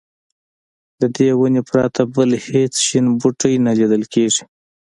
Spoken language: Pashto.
له دې ونې پرته بل هېڅ شین بوټی نه لیدل کېږي.